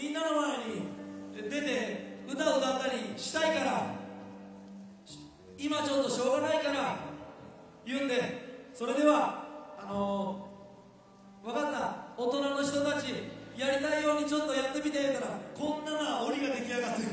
ほんで今ちょっとしょうがないから言うんでそれでは分かった大人の人たちやりたいようにちょっとやってみて言うたらこんななおりが出来上がってる。